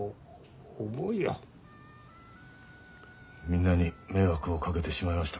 みんなに迷惑をかけてしまいました。